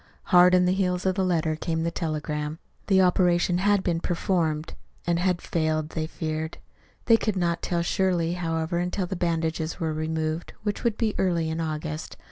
Hard on the heels of the letter came the telegram. The operation had been performed and had failed, they feared. They could not tell surely, however, until the bandages were removed, which would be early in August.